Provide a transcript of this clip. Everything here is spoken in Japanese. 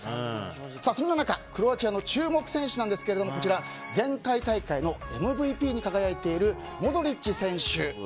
そんな中クロアチアの注目選手ですが前回大会のＭＶＰに輝いているモドリッチ選手。